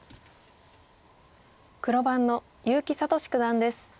黒番の結城聡九段です。